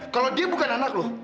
kalau dia bukan anak loh